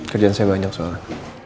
kerjaan saya banyak soalnya